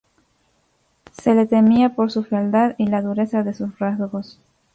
Se le temía por su fealdad y la dureza de sus rasgos.